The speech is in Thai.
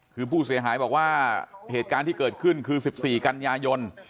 คือผู้เสียหายบอกว่าเหตุการณ์ที่เกิดขึ้นคือ๑๔กันยายน